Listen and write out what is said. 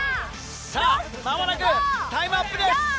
さぁ間もなくタイムアップです。